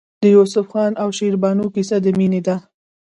د یوسف خان او شیربانو کیسه د مینې ده.